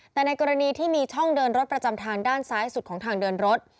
แต่ในกรณีที่มีช่องเดินรถประจำทางด้านซ้ายสุดของทางเดินรถ